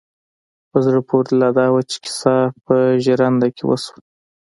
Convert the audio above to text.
په زړه پورې لا دا وه چې کيسه په ژرنده کې وشوه.